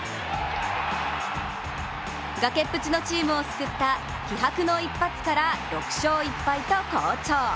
崖っぷちのチームを救った気迫の一発から、６勝１敗と好調。